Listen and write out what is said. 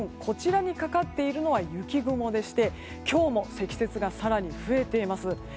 こちらにかかっているのは雪雲でして今日も積雪が更に増えています。